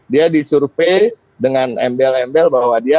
dia disurvey dengan embel embel bahwa dia